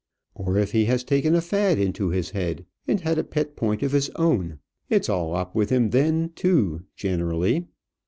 Or if he has taken a fad into his head, and had a pet point of his own, it's all up with him then, too, generally.